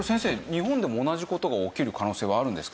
日本でも同じ事が起きる可能性はあるんですか？